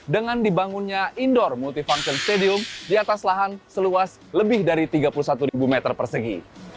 dengan dibangunnya indoor multifunction stadium di atas lahan seluas lebih dari tiga puluh satu meter persegi